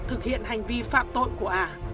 thực hiện hành vi phạm tội của ả